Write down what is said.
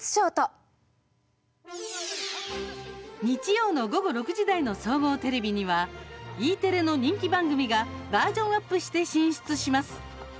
日曜の午後６時台の総合テレビにはＥテレの人気番組がバージョンアップして進出します。